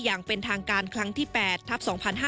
อย่างเป็นทางการครั้งที่๘ทัพ๒๕๕๙